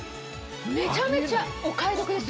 めちゃめちゃお買い得ですよ。